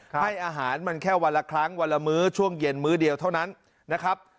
ให้อาหารมันแค่วันละครั้งวันละมื้อช่วงเย็นมื้อเดียวเท่านั้นนะครับ